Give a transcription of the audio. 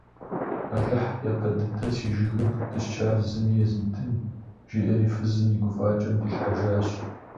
Алыхь япэ дыдэ си жыгым къыпысчар зыми езмытын, – жиӏэри фызым и гуфӏакӏэм дилъхьэжащ.